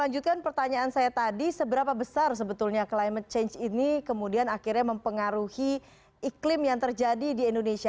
jadi seberapa besar sebetulnya climate change ini kemudian akhirnya mempengaruhi iklim yang terjadi di indonesia